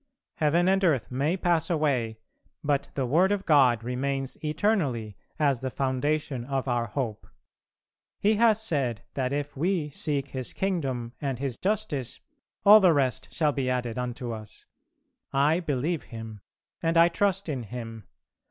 Heaven and earth may pass away, but the word of God remains eternally as the foundation of our hope. He has said that if we seek His kingdom and His justice all the rest shall be added unto us. I believe Him, and I trust in Him.